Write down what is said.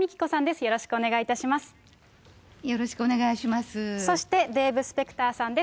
よろしくお願いします。